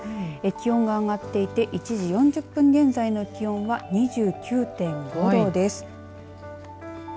気温が上がっていて１時４０分現在の気温は２９．５度です。